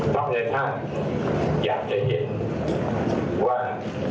พร้อมในท่านอยากจะเห็นว่า